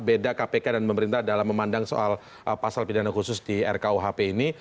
tentang di mana sih letak beda kpk dan pemerintah dalam memandang soal pasal pidana khusus di rukhp ini